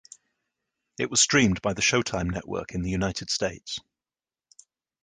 It was streamed by the Showtime network in the United States.